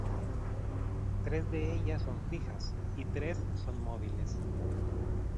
Tres de ellas son fijas y tres son móviles.